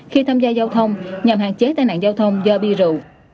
khi tham gia giao thông nhằm hạn chế tai nạn giao thông do bi rụ